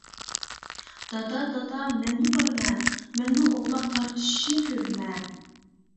-دادا، دادا مەنمۇ بارىمەن، مەنمۇ ئوغلاق تارتىشىشنى كۆرىمەن.